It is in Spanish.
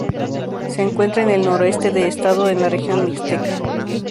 Se encuentra en el noroeste del estado en la región mixteca.